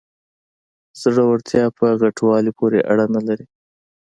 زړورتیا په غټوالي پورې اړه نلري.